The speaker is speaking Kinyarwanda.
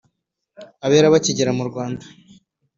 abera bakigera mu Rwanda.